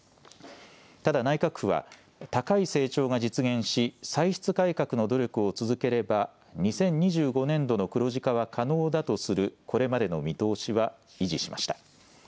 ただ内閣府は高い成長が実現し歳出改革の努力を続ければ２０２５年度の黒字化は可能だとするこれまでの見通しは維持しました。